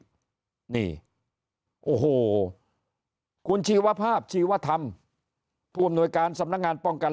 นี่โอ้โหคุณชีวภาพชีวธรรมผู้อำนวยการสำนักงานป้องกัน